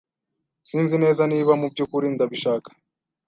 Sinzi neza niba mubyukuri ndabishaka.